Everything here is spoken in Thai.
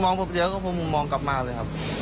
ผมก็มองปุ๊บเดี๋ยวก็มองกลับมาเลยครับ